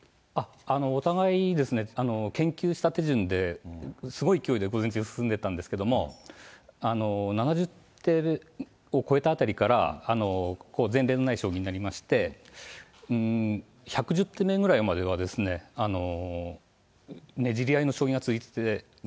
お互い、研究した手順で、すごい勢いで午前中、進んでたんですけど、７０手を超えたあたりから、前例のない将棋になりまして、１１０手目ぐらいはねじり合いの将棋が続いてて。